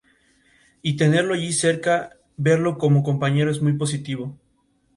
Tiene cambios de principio a fin.